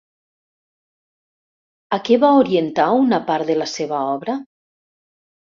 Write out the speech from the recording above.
A què va orientar una part de la seva obra?